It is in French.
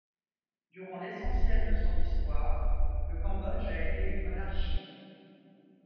Durant l'essentiel de son histoire, le Cambodge a été une monarchie.